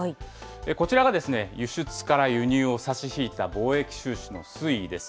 こちらが輸出から輸入を差し引いた貿易収支の推移です。